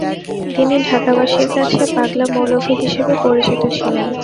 তিনি ঢাকাবাসীর কাছে 'পাগলা মৌলভী' হিসেবে পরিচিত ছিলেন।